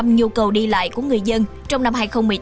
chín năm nhu cầu đi lại của người dân trong năm hai nghìn một mươi tám